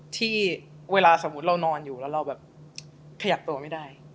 ที่เวลาสมมุติเรานอนอยู่แล้วเราแบบขยับตัวไม่ได้